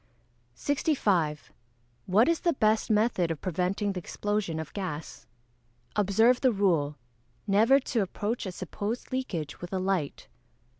65. What is the best method of preventing the explosion of gas? Observe the rule, never to approach a supposed leakage with a light.